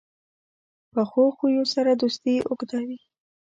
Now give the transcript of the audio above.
پخو خویو سره دوستي اوږده وي